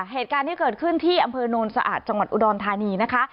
เหตุการณ์ที่เกิดขึ้นที่อำเภอโนนสะอาดจังหวัดอุดรธานีนะคะ